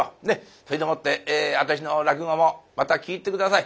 それでもって私の落語もまた聴いて下さい。